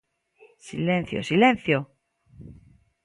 Silencio, ¡silencio!